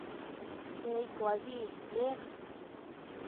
Эй, Клавий, лек!..